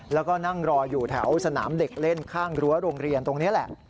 แล้วก็นั่งรออยู่แถวสนามเด็กเล่นข้างรั้วโรงเรียนตรงนี้แหละ